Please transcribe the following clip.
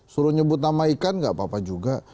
suruh nyebut nama ikan nggak apa apa juga